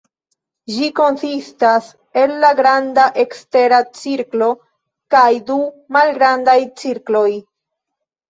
Ĝi konsistas el la granda ekstera cirklo kaj du malgrandaj cirkloj.